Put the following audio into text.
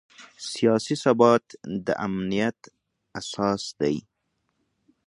سیاسي ثبات د امنیت اساس دی